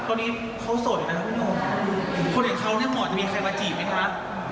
คนอย่างเขาเนี่ยเหมาะจะมีใครมาจีบไหมครับ